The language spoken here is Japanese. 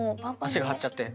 足が張っちゃって？